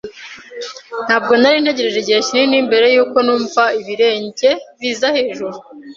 Ntabwo nari ntegereje igihe kinini mbere yuko numva ibirenge biza hejuru.